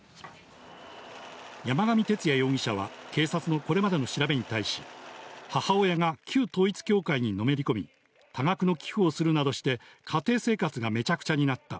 山上徹也容疑者は警察のこれまでの調べに対し、母親が旧統一教会にのめりこみ、多額の寄付をするなどして家庭生活がめちゃくちゃになった。